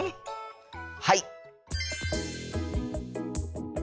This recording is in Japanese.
はい！